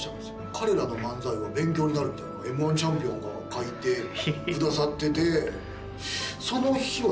「彼らの漫才は勉強になる」みたいなＭ−１チャンピオンが書いてくださってて。